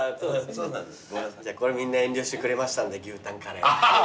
これみんな遠慮してくれましたんで牛タンカレー。